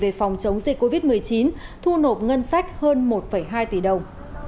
về phòng chống dịch covid một mươi chín thu nộp ngân sách hơn một hai tỷ đồng